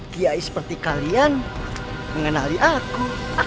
kiai seperti kalian mengenali aku